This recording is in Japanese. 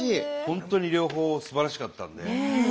本当に両方すばらしかったので。